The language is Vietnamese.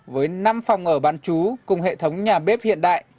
với năm phòng ở bán chú cùng hệ thống nhà bếp hiện đại